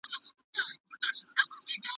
بهرنۍ پالیسي د هیواد لپاره نوي ملګري پیدا کوي.